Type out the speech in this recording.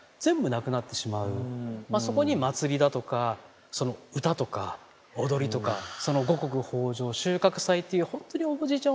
そこに祭りだとか歌とか踊りとかその五穀豊穣収穫祭という本当におじいちゃん